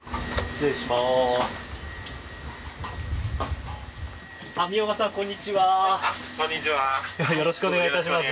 失礼します。